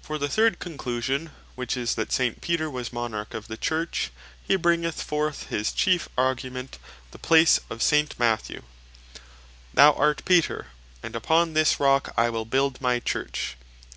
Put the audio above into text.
For the third Conclusion, which is, that St. Peter was Monarch of the Church, he bringeth for his chiefe argument the place of S. Matth. (chap. 16.18, 19.) "Thou art Peter, And upon this rock I will build my Church, &c.